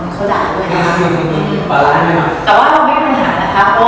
แต่ว่าเราไม่มีปัญหานะคะ